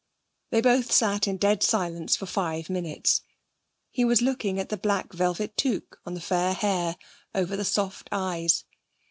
They both sat in dead silence for five minutes. He was looking at the black velvet toque on the fair hair, over the soft eyes.